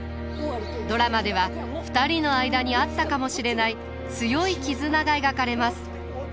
ドラマでは２人の間にあったかもしれない強い絆が描かれます。